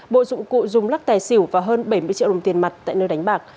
bộ dụng cụ dùng lắc tài xỉu và hơn bảy mươi triệu đồng tiền mặt tại nơi đánh bạc